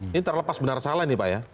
ini terlepas benar benar salah nih pak ya